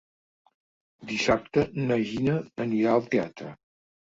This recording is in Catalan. Dissabte na Gina anirà al teatre.